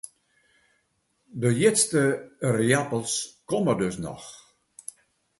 De hjitste ierappels komme dus noch.